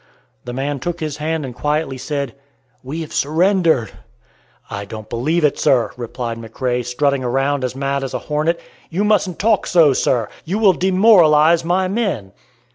The man took his hand and quietly said, "We have surrendered." "I don't believe it, sir!" replied McRae, strutting around as mad as a hornet. "You mustn't talk so, sir! you will demoralize my men!"